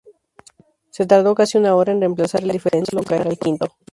Se tardó casi una hora en reemplazar el diferencial, dejándolo caer al quinto.